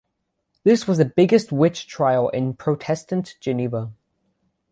This was the biggest witch trial in Protestant Geneva.